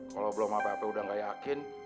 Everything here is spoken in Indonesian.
kalau belum apa apa udah gak yakin